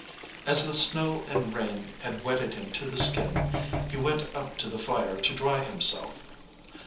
As the snow and rain had wetted him to the skin, he went up to the fire to dry himself.